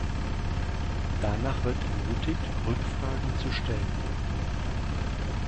Danach wird ermutigt, Rückfragen zu stellen.